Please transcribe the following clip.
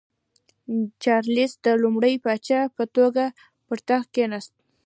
چارلېس د لومړي پاچا په توګه پر تخت کېناست.